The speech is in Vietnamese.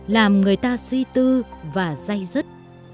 làm người ta suy tư và dây dứt